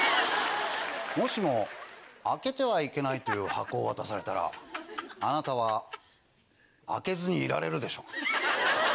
もしも開けてはいけないという箱を渡されたらあなたは開けずにいられるでしょうか？